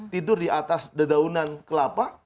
tidur di atas dedaunan kelapa